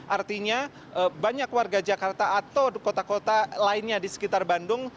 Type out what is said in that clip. artinya banyak warga jakarta atau kota kota lainnya di sekitar bandung